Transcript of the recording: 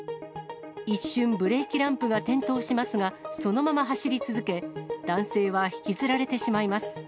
一瞬、ブレーキランプが点灯しますが、そのまま走り続け、男性は引きずられてしまいます。